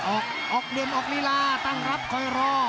ออกเลือดออกลีลาตั้งรับคอยรอ